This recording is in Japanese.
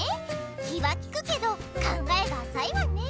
気はきくけど考えがあさいわね。